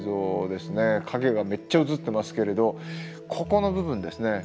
影がめっちゃ映ってますけれどここの部分ですね。